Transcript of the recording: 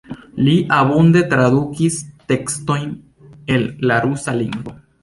Li abunde tradukis tekstojn el la rusa lingvo.